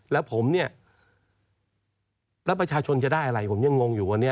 แล้วผมเนี่ยแล้วประชาชนจะได้อะไรผมยังงงอยู่วันนี้